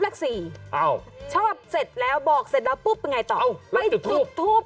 แปลก๔ชอบเสร็จแล้วบอกเสร็จแล้วปุ๊บไม่ให้ต่อรับจุดทูบ